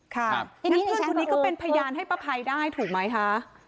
ครับนั่นเพื่อนทุนนี้ก็เป็นพยานให้ป้าพัยได้ถูกไหมคะ